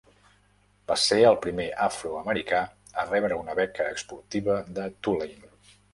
Va ser el primer afroamericà a rebre una beca esportiva de Tulane.